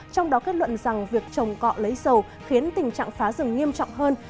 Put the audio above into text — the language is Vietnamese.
trong đó kết luận rằng việc trồng cọ lấy dầu khiến tình trạng phá rừng nghiêm trọng hơn